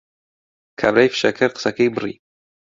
کابرای فشەکەر قسەکەی بڕی